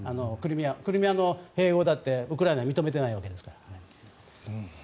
クリミアの併合だってウクライナは認めていないわけですから。